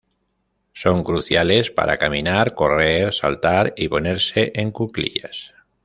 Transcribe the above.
Son cruciales para caminar, correr, saltar y ponerse en cuclillas.